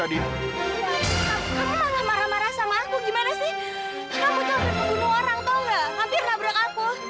hampir nabrak aku